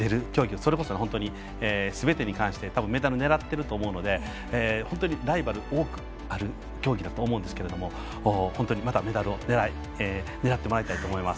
それこそすべてに関してメダルを狙っていると思うので本当にライバル多くいる競技だと思うんですが本当にまだメダルを狙ってもらいたいと思います。